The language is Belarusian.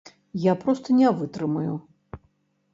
Я проста не вытрымаю.